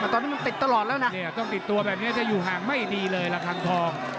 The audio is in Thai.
ตอนนี้มันติดตลอดแล้วนะต้องติดตัวแบบนี้ถ้าอยู่ห่างไม่ดีเลยละครั้งทอง